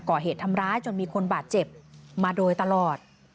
ก่อเหตุทำร้ายจนมีคนบาดเจ็บมาโดยตลอด